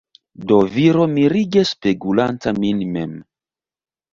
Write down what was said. Do viro mirige spegulanta min mem.